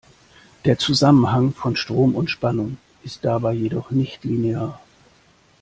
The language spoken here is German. Der Zusammenhang von Strom und Spannung ist dabei jedoch nicht linear.